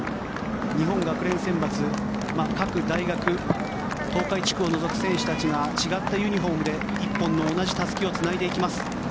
日本学連選抜、各大学東海地区を除く選手たちが違ったユニホームで１本の同じたすきをつないでいきます。